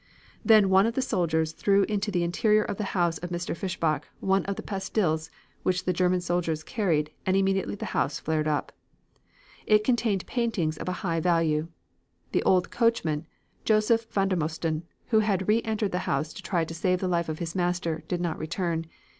Then one of the soldiers threw into the interior of the house of Mr. Fishbach one of the pastils which the German soldiers carried and immediately the house flared up. It contained paintings of a high value. The old coachman, Joseph Vandermosten, who had re entered the house to try to save the life of his master, did not return.